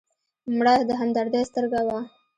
مړه د همدردۍ سترګه وه